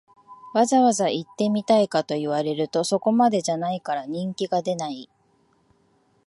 わざわざ行ってみたいかと言われると、そこまでじゃないから人気が出ない